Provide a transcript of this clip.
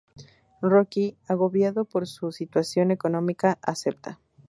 Rocky, agobiado por su situación económica, acepta.